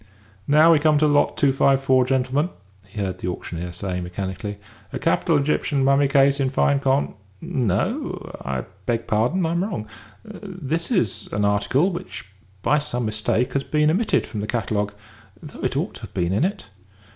"Now we come to Lot 254, gentlemen," he heard the auctioneer saying, mechanically; "a capital Egyptian mummy case in fine con No, I beg pardon, I'm wrong. This is an article which by some mistake has been omitted from the catalogue, though it ought to have been in it.